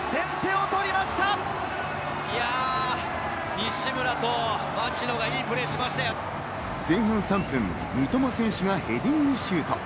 西村と町野が良いプレーしま前半３分、三笘選手がヘディングシュート。